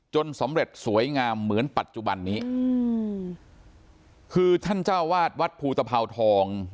สำเร็จสวยงามเหมือนปัจจุบันนี้อืมคือท่านเจ้าวาดวัดภูตภาวทอง